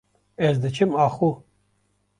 ez diçûm axo.